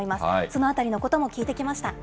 そのあたりのことも聞いてきました。